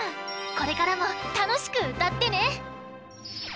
これからもたのしくうたってね！